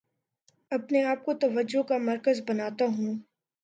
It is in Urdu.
اپنے آپ کو توجہ کا مرکز بناتا ہوں